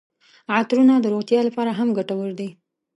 عطرونه د روغتیا لپاره هم ګټور دي.